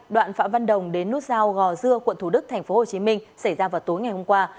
đoạn phạm văn đồng đến nút giao gò dưa quận thủ đức tp hcm xảy ra vào tối ngày hôm qua